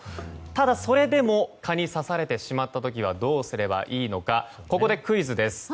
ただ、それでも蚊に刺されてしまった時はどうすればいいのかここでクイズです。